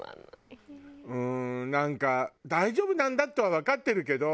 うんなんか大丈夫なんだとはわかってるけど。